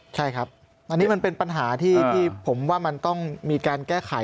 ใช่ครับอันนี้มันเป็นปัญหาที่ผมว่ามันต้องมีการแก้ไข